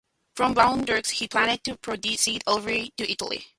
From Bordeaux he planned to proceed overland to Italy.